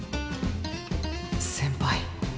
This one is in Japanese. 先輩。